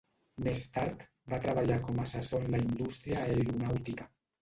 Més tard, va treballar com a assessor en la indústria aeronàutica.